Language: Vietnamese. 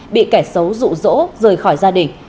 bị kẻ xấu rụ rỗ rời khỏi gia đình